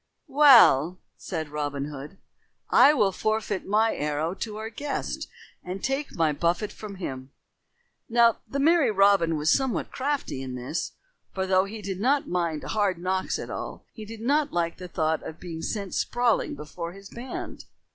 "Well," said Robin Hood, "I will forfeit my arrow to our guest and take my buffet from him." Now the merry Robin was somewhat crafty in this, for, though he did not mind hard knocks at all, he did not like the thought of being sent sprawling before his band.